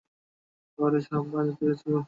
রাবারের সাপ বা এই জাতীয় কিছু?